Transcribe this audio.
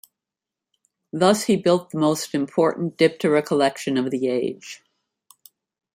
Thus he built the most important Diptera collection of the age.